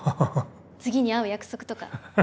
次に会う約束とか？